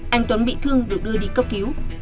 anh tuấn bị thương được đưa đi cấp cứu